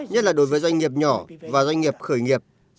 nhất là đối với doanh nghiệp nhỏ và doanh nghiệp khởi nghiệp